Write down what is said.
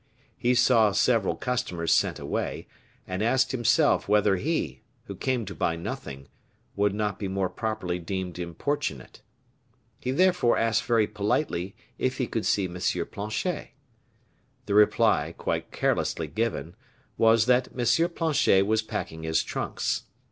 He saw several customers sent away, and asked himself whether he, who came to buy nothing, would not be more properly deemed importunate. He therefore asked very politely if he could see M. Planchet. The reply, quite carelessly given, was that M. Planchet was packing his trunks.